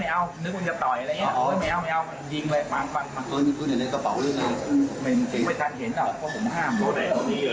ตัวใดตัวนี้เลย